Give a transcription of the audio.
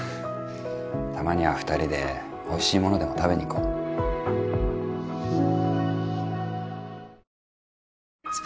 たまには２人でおいしいものでも食べに行こううん？